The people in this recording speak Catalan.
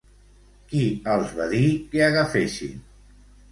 Què els va dir que agafessin?